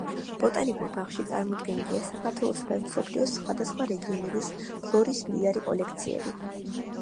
ბოტანიკურ ბაღში წარმოდგენილია საქართველოსა და მსოფლიოს სხვადასხვა რეგიონების ფლორის მდიდარი კოლექციები.